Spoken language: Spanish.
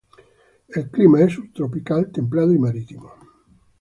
El clima es subtropical, templado y marítimo.